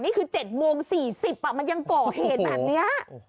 นี่คือเจ็ดโมงสี่สิบอ่ะมันยังเกาะเห็นแบบเนี้ยโอ้โห